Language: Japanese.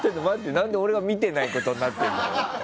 何で俺が見てないことになってるの？